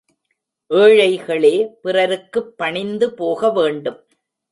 ஏழைகளே பிறருக்குப் பணிந்து போக வேண்டும்.